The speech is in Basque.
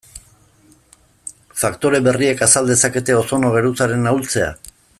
Faktore berriek azal dezakete ozono geruzaren ahultzea?